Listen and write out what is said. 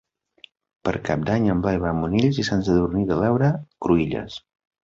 Per Cap d'Any en Blai va a Monells i Sant Sadurní de l'Heura Cruïlles.